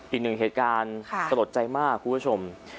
อีกหนึ่งเหตุการณ์สลดใจมากคุณผู้ชม